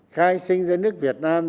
khai sinh dưới nước việt nam